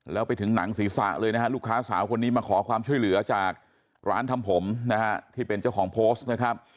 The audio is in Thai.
แล้วไปถึงหนังศีรษะเลยนะฮะลูกค้าสาวคนนี้มาขอความช่วยเหลือจากร้านทำผมนะฮะที่เป็นเจ้าของโพสต์นะครับ